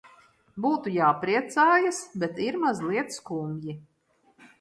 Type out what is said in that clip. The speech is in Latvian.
Būtu jāpriecājas, bet ir mazliet skumji.